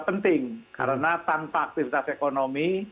penting karena tanpa aktivitas ekonomi